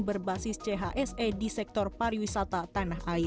berbasis chse di sektor pariwisata